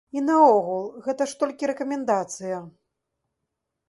І наогул, гэта ж толькі рэкамендацыя.